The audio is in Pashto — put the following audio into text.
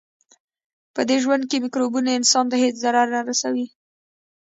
پدې ژوند کې مکروبونه انسان ته هیڅ ضرر نه رسوي.